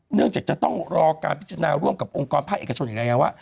เนื่องจากจะต้องรอการพิจารณาร่วมกับองค์กรภาคเอกชนอีกระยะว่า